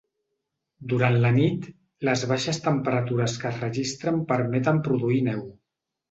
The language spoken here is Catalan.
Durant la nit, les baixes temperatures que es registren permeten produir neu.